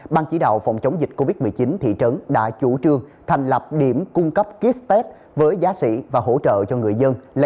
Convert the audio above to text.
ban chỉ đạo phòng chống dịch covid một mươi chín thị trấn đã chủ trương thành lập điểm cung cấp kit test với giá sĩ và hỗ trợ cho người dân